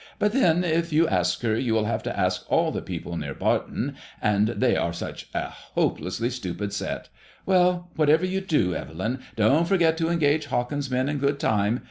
But then, if you ask her, you will have to ask all the people near Barton ; and they are such a hopelessly stupid set. Well, whatever you do, Evelyn, don*t forget to engage Hawkins' men in good time.